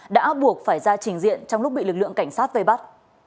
đã buộc phải ra trình diện trong lúc bị lực lượng cảnh sát vây bắt